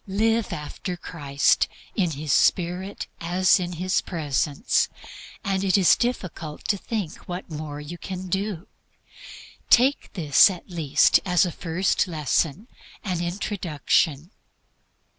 Live after Christ, in His Spirit, as in His Presence, and it is difficult to think what more you can do. Take this at least as a first lesson, as introduction.